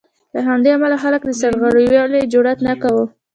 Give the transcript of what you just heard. له همدې امله خلکو د سرغړاوي جرات نه کاوه.